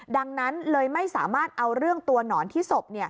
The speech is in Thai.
ดังนั้นเลยไม่สามารถเอาเรื่องตัวหนอนที่ศพ